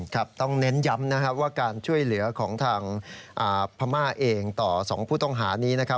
ครับต้องเน้นย้ำนะครับว่าการช่วยเหลือของทางพม่าเองต่อ๒ผู้ต้องหานี้นะครับ